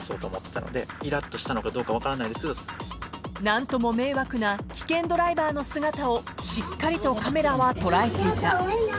［何とも迷惑な危険ドライバーの姿をしっかりとカメラは捉えていた］